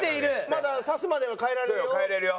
まださすまでは変えられるよ？